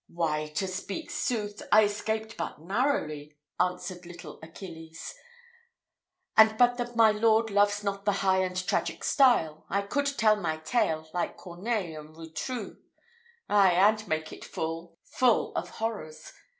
"Why, to speak sooth, I escaped but narrowly," answered little Achilles; "and but that my lord loves not the high and tragic style, I could tell my tale like Corneille and Rotrou ay, and make it full, full of horrors.